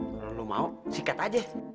kalau lo mau sikat aja